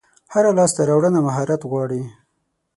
هره لاسته راوړنه مهارت غواړي.